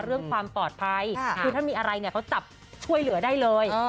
เรื่องความปลอดภัยคือถ้ามีอะไรเนี่ยเขาจับช่วยเหลือได้เลย